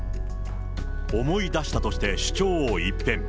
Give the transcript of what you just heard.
思い出したとして、主張を一変。